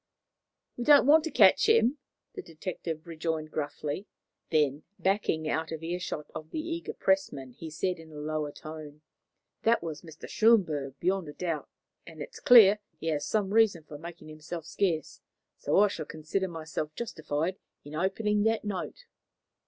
"We don't want to catch him," the detective rejoined gruffly; then, backing out of earshot of the eager pressman, he said in a lower tone: "That was Mr. Schönberg, beyond a doubt, and it is clear that he has some reason for making himself scarce; so I shall consider myself justified in opening that note."